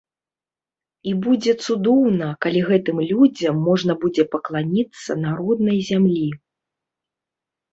І будзе цудоўна, калі гэтым людзям можна будзе пакланіцца на роднай зямлі.